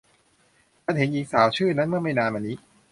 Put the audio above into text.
ฉันเห็นหญิงสาวชื่อนั้นเมื่อไม่นานมานี้